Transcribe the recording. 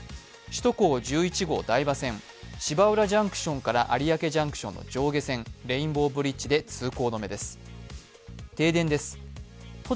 首都高１１号台場線、芝浦ジャンクションから有明ジャンクションの上下線、レインボーブリッジで通行止めです。